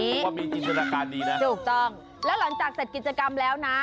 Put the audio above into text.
เพราะว่ามีจินตนาการดีนะถูกต้องแล้วหลังจากเสร็จกิจกรรมแล้วนะ